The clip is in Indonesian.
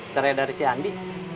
cerai dari si andi